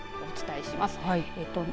お伝えします。